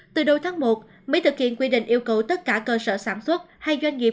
từ đầu tháng một mới thực hiện quy định yêu cầu tất cả cơ sở sản xuất hay doanh nghiệp